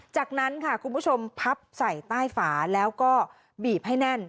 จากนั้นค่ะคุณผู้ชมพับใส่ใต้ฝาแล้วก็บีบให้แน่น